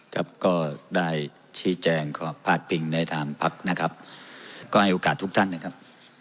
ครับก็ได้ชี้แจงขอพาดปิงในทางพักนะครับก็ให้โอกาสทุกท่านนะครับ